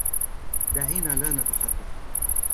دعينا لا نتحدث.